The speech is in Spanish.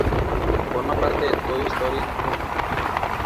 Forma parte de Toy Story Toons.